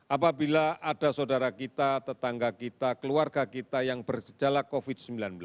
apabila ada saudara kita tetangga kita keluarga kita yang berjala covid sembilan belas